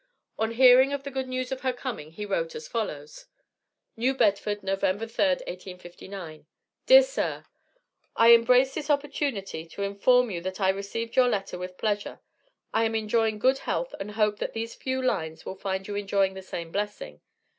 On hearing of the good news of her coming he wrote as follows NEW BEDFORD, Nov. 3, 1859. DEAR SIR: i embrace this opertunity to inform you that i received your letter with pleasure, i am enjoying good health and hope that these few lines will find you enjoying the same blessing.